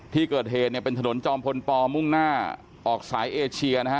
ที่เกิดเหตุเนี่ยเป็นถนนจอมพลปมุ่งหน้าออกสายเอเชียนะฮะ